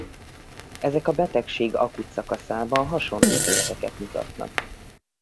Ezek a betegség akut szakaszában hasonló tüneteket mutatnak.